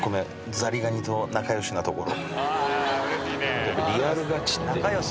「ザリガニと仲良しなところ」